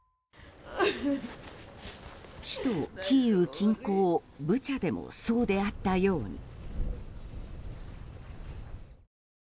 首都キーウ近郊ブチャでもそうであったように。